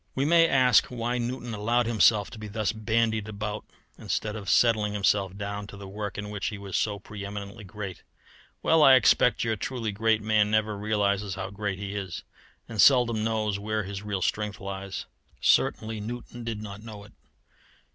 We may ask why Newton allowed himself to be thus bandied about instead of settling himself down to the work in which he was so pre eminently great. Well, I expect your truly great man never realizes how great he is, and seldom knows where his real strength lies. Certainly Newton did not know it.